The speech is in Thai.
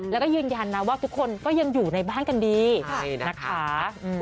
แล้วก็ยืนยันนะว่าทุกคนก็ยังอยู่ในบ้านกันดีนะคะ